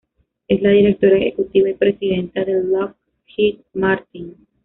Es la directora ejecutiva y presidenta de Lockheed Martin.